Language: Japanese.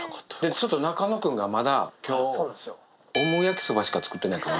ちょっと中野君がまだきょう、オム焼きそばしか作ってないから。